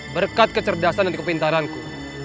berkat kecerdasan dan kepintaranku